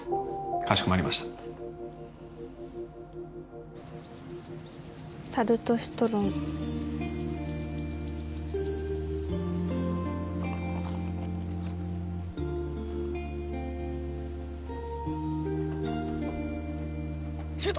かしこまりましたタルトシトロンシュート